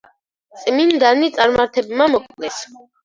წმინდანი წარმართებმა მოკლეს.